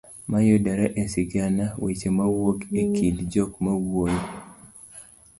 mayudore e sigana; weche mawuok e kind jok mawuoyo